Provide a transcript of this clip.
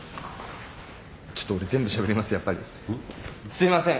すいません